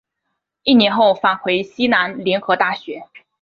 一年后返回西南联合大学。